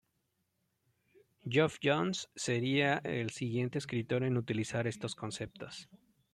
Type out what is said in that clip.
Geoff Johns sería el siguiente escritor en utilizar estos conceptos.